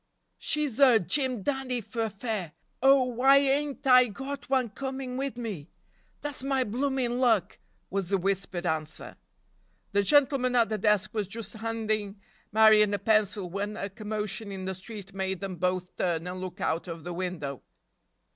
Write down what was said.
"She's er Jim Dandy fer fair! Oh, why ain't I got one coming wid me? Dat's my bloomin' luck!" was the whispered answer. The gentleman at the desk was just handing Marion a pencil when a commotion in the street made them both turn and look out of the window.